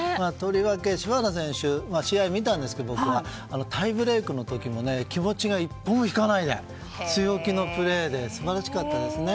柴原選手の試合を見たんですけどタイブレークの時も気持ちが一歩も引かないで強気のプレーですごかったですね。